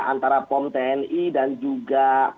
antara pom tni dan juga